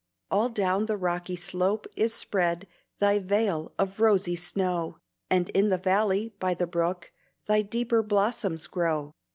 All down the rocky slope is spread Thy veil of rosy snow, And in the valley by the brook, Thy deeper blossoms grow.